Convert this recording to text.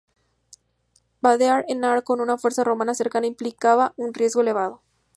Vadear el Nar con una fuerza romana cercana implicaba un riesgo elevado.